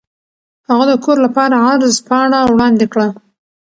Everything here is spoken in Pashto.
هغه د کور لپاره عرض پاڼه وړاندې کړه.